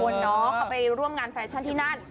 เขาไปร่วมงานแฟชั่นที่นั่น